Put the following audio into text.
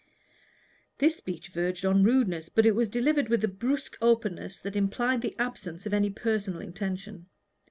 This speech verged on rudeness, but it was delivered with a brusque openness that implied the absence of any personal intention.